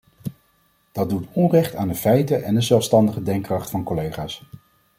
Dat doet onrecht aan de feiten en de zelfstandige denkkracht van collega's.